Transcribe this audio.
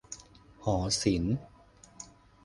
หอศิลป์